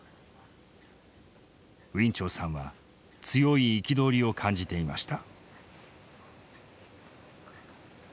ウィン・チョウさんは強い憤りを感じていました。